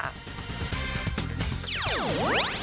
ไปดูเลยค่ะ